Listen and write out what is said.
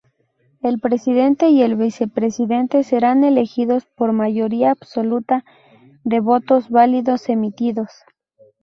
El Presidente y el Vicepresidente serán elegidos por mayoría absoluta de votos válidos emitidos.